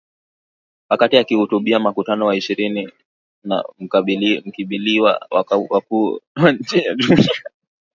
Wakati akihutubia Mkutano wa ishirini na mbiliwa Wakuu wa Nchi wa Jumuiya ya Afrika Mashariki mjini Arusha mwezi uliopita .